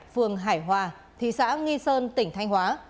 phường hải hòa thị xã nghi sơn tỉnh thanh hóa